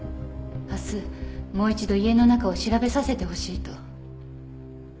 明日もう一度家の中を調べさせてほしいと。